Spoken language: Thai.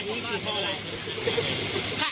อันนี้คือข้ออะไร